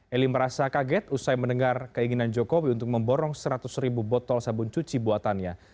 eli merasa kaget usai mendengar keinginan jokowi untuk memborong seratus ribu botol sabun cuci buatannya